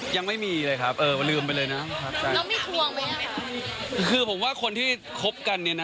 ยังไม่มีเลยครับเออลืมไปเลยนะแล้วมีคลวงไปยังไหมคะคือผมว่าคนที่คบกันเนี่ยนะ